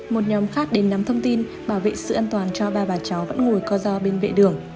một nhóm khác đến nắm thông tin bảo vệ sự an toàn cho ba bà cháu vẫn ngồi co do bên vệ đường